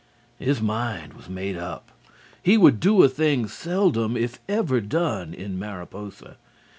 His mind was made up. He would do a thing seldom if ever done in Mariposa.